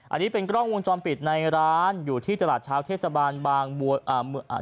อันนี้เป็นกร่องวงจรปิดในร้านอยู่ตลาดชาวเทศบาลบางเอ่อ